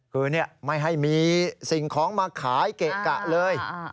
คือไม่ให้มีสิ่งของมาขายเกะกะเลย